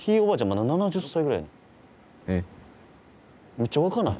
めっちゃ若ない？